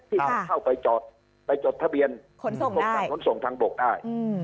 ที่เราไปจดไปจดทะเบียนคลนส่องทางบกได้